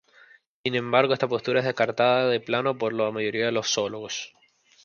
Sin embargo, esta postura es descartada de plano por la mayoría de los zoólogos.